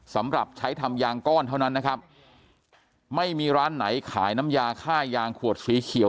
สำหรับใช้ทำยางก้อนเท่านั้นนะครับไม่มีร้านไหนขายน้ำยาค่ายางขวดสีเขียว